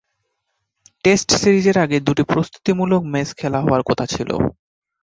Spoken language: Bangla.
টেস্ট সিরিজের আগে দুটি প্রস্তুতিমূলক ম্যাচ খেলা হওয়ার কথা ছিল।